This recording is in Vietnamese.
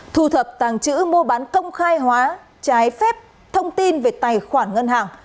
thu thập tàng trữ mua bán công khai hóa trái phép thông tin về tài khoản ngân hàng